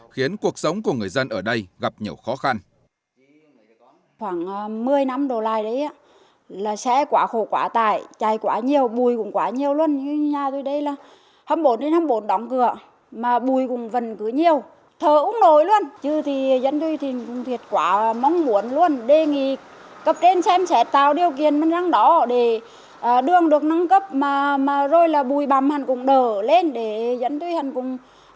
khiến cuộc sống của người dân ở đây gặp nhiều khó khăn